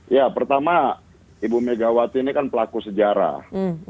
ya pertama ibu megawati ini kan pelaku sejarah